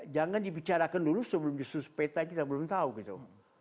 jangan dibicarakan dulu sebelum disusus peta kita belum tahu gitu